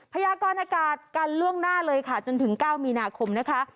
พยากรอากาศกันล่วงหน้าเลยค่ะจนถึง๙มีนาคมนะคะ